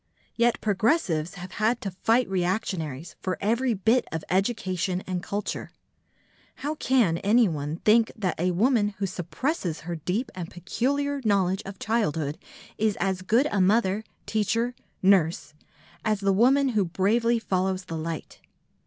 Yet progressives have had to fight reactionaries for every bit of education and culture. How can anyone think that a woman who suppresses her deep and peculiar knowledge of childhood is as good a mother, teacher, nurse as the woman who bravely follows the light?